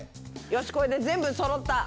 よしこれで全部そろった！